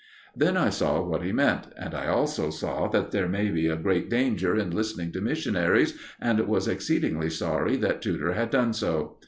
Then I saw what he meant; and I also saw that there may be a great danger in listening to missionaries, and was exceedingly sorry that Tudor had done so.